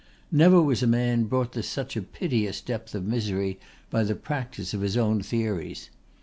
Never was a man brought to such a piteous depth of misery by the practice of his own theories.